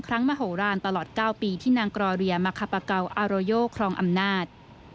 ครั้งมโหราณตลอด๙ปีที่นางกรรวิยามาคปะเก่าอารอยโยครองอำนาจ